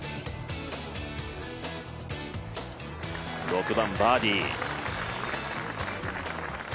６番、バーディー。